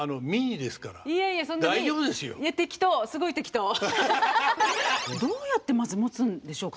いやいやでもどうやってまず持つんでしょうか。